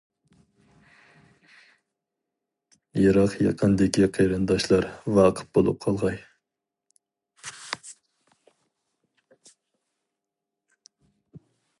يىراق يېقىندىكى قېرىنداشلار ۋاقىپ بولۇپ قالغاي!